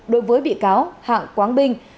đối với bị cáo hạng quáng binh